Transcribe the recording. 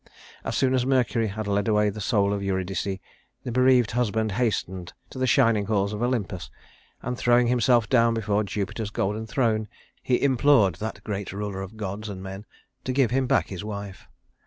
As soon as Mercury had led away the soul of Eurydice, the bereaved husband hastened to the shining halls of Olympus, and throwing himself down before Jupiter's golden throne, he implored that great ruler of gods and men to give him back his wife.